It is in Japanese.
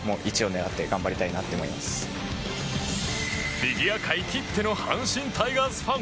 フィギュア界きっての阪神タイガースファン。